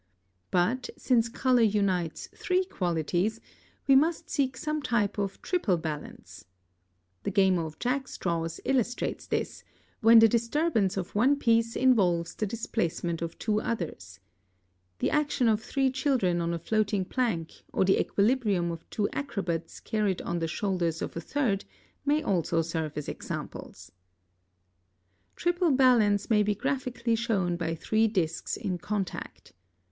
But, since color unites three qualities, we must seek some type of triple balance. The game of jackstraws illustrates this, when the disturbance of one piece involves the displacement of two others. The action of three children on a floating plank or the equilibrium of two acrobats carried on the shoulders of a third may also serve as examples. [Illustration: Fig. 14.] (82) Triple balance may be graphically shown by three discs in contact.